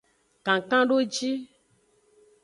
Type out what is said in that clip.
Kankandoji.